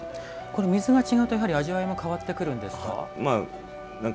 水が違うとやはり味わいも変わってくるんですか。